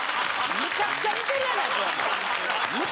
むちゃくちゃ似てるやないか！